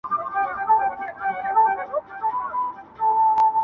ړنده سترگه څه ويښه، څه بيده.